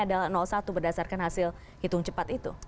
adalah satu berdasarkan hasil hitung cepat itu